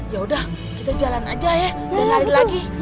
yaudah kita jalan aja ya dan lari lagi